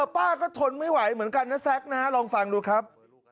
ป้าก็ทนไม่ไหวเหมือนกันนะแซ็กนะฮะลองฟังดูครับ